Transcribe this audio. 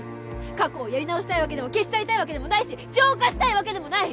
過去をやり直したいわけでも消し去りたいわけでもないし浄化したいわけでもない！